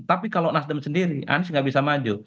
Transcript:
tapi kalau nasdem sendiri anies nggak bisa maju